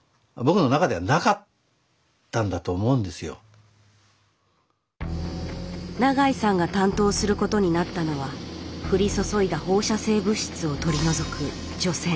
だから結局永井さんが担当することになったのは降り注いだ放射性物質を取り除く除染。